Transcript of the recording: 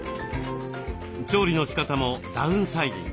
調理のしかたもダウンサイジング。